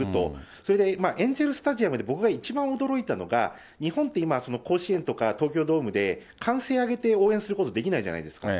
それでエンジェルスタジアムで僕が一番驚いたのが、日本って今、甲子園とか東京ドームで、歓声上げて応援することできないじゃないですか。